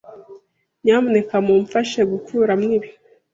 Nyamuneka mumfashe gukuramo ibi.